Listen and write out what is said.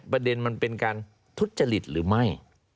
ประเด็นมันเป็นการทุจริตหรือไม่